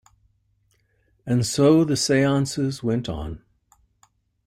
And so the seances went on.